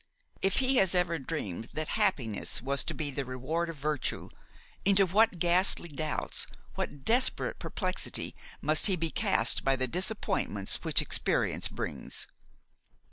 If he has ever dreamed that happiness was to be the reward of virtue, into what ghastly doubts, what desperate perplexity must he be cast by the disappointments which experience brings!